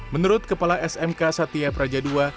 menurut kepala smk satya praja ii